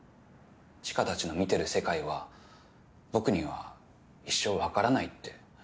知花たちの見てる世界は僕には一生分からないって。